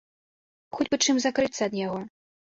Хоць бы чым закрыцца ад яго.